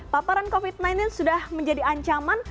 paparan covid sembilan belas sudah menjadi ancaman